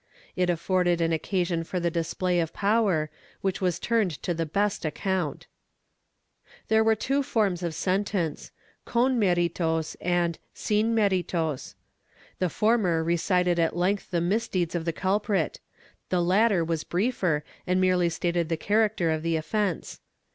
It afforded an occasion for the display of power, which was turned to the best account. There were two forms of sentence — con meritos and sin meri tos. The former recited at length the misdeeds of the culprit; the latter was briefer and merely stated the character of the offence.